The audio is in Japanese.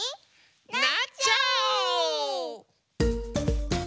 なっちゃおう！